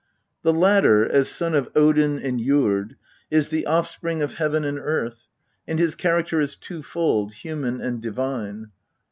The latter, as son of Odin and Jord, 'is the offspring of Heaven and Earth, and his character is twofold human and divine.